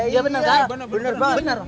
iya bener pak bener bener